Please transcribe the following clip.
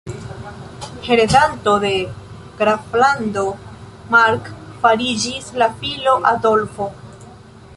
Heredanto de Graflando Mark fariĝis la filo Adolfo.